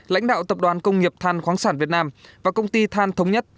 lãnh đạo tập đoàn công nghiệp than khoáng sản việt nam và công ty than thống nhất